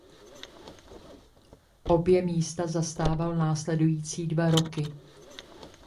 Oba místa zastával následující dva roky.